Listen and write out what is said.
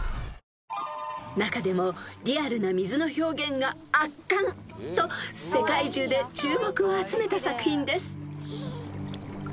［中でもリアルな水の表現が圧巻！と世界中で注目を集めた作品です］